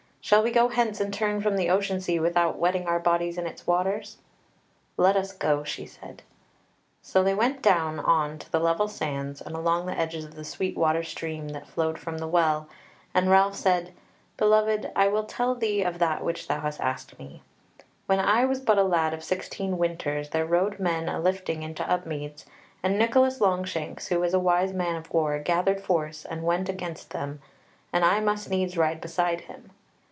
Shall we go hence and turn from the ocean sea without wetting our bodies in its waters?" "Let us go," she said. So they went down on to the level sands, and along the edges of the sweet water stream that flowed from the Well; and Ralph said: "Beloved, I will tell thee of that which thou hast asked me: when I was but a lad of sixteen winters there rode men a lifting into Upmeads, and Nicholas Longshanks, who is a wise man of war, gathered force and went against them, and I must needs ride beside him.